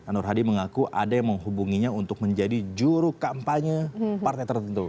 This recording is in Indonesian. nur hadi mengaku ada yang menghubunginya untuk menjadi juru kampanye partai tertentu